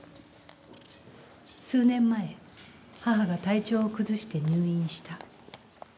数年前母が体調を崩して入院した。